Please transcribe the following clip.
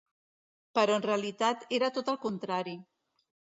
Però, en realitat, era tot el contrari.